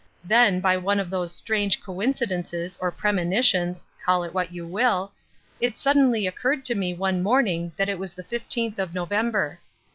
Then, by one of those strange coincidences or premonitions call it what you will it suddenly occurred to me one morning that it was the fifteenth of November.